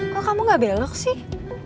kok kamu gak belok sih